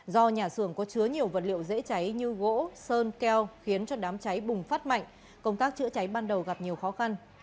do nhà xưởng có chứa nhiều vật liệu dễ cháy như gỗ sơn keo khiến cho đám cháy bùng phát mạnh công tác chữa cháy ban đầu gặp nhiều khó khăn